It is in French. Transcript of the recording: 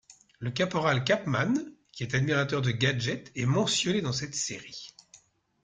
Le caporal Capeman qui est admirateur de Gadget est mentionné dans cette série.